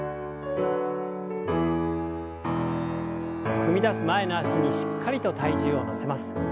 踏み出す前の脚にしっかりと体重を乗せます。